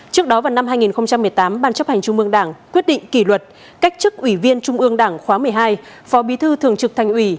trước đó vào năm hai nghìn một mươi tám ban chấp hành trung mương đảng quyết định kỷ luật cách chức ủy viên trung ương đảng khóa một mươi hai phó bí thư thường trực thành ủy